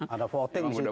ada voting disitu